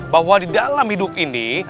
bahwa di dalam hidup ini